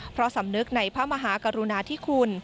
เพราะสำนึกในพระมหากรุณาธิคุณ